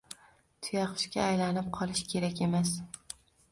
Tuyaqushga aylanib qolish kerak emas.